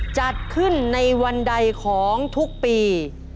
จัดขึ้นในวันใดของทุกปี